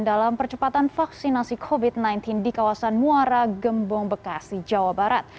dalam percepatan vaksinasi covid sembilan belas di kawasan muara gembong bekasi jawa barat